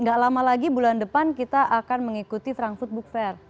gak lama lagi bulan depan kita akan mengikuti frankfurt book fair